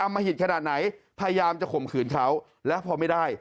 มหิตขนาดไหนพยายามจะข่มขืนเขาและพอไม่ได้